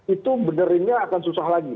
itu benerinnya akan susah lagi